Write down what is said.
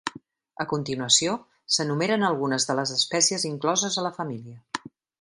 A continuació s'enumeren algunes de les espècies incloses a la família.